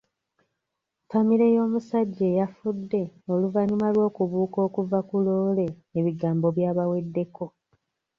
Famile y'omusajja eyafudde oluvannyuma lw'okubuuka okuva ku loole ebigambo byabaweddeko.